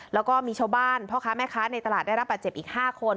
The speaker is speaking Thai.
แล้วก็มีชาวบ้านพ่อค้าแม่ค้าในตลาดได้รับบาดเจ็บอีก๕คน